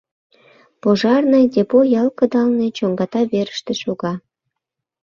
Пожарный депо ял кыдалне чоҥгата верыште шога.